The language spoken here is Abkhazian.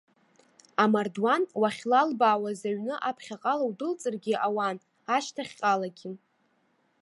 Амардуан уахьлалбаауаз аҩны аԥхьаҟала удәылҵыргьы ауан, ашьҭахьҟалагьы.